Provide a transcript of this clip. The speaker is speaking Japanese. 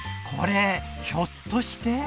これひょっとして？